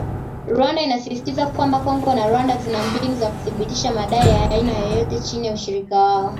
Rwanda inasisitiza kwamba “Kongo na Rwanda zina mbinu za kuthibitisha madai ya aina yoyote chini ya ushirika wao"